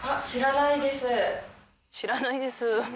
知らないですぅ。